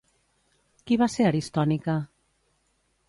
Qui va ser Aristònica?